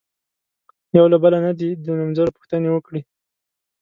یو له بله نه دې د نومځرو پوښتنې وکړي.